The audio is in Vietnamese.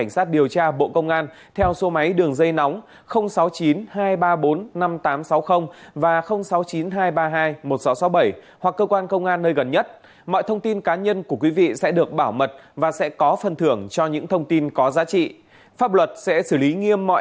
xin kính chào và hẹn gặp lại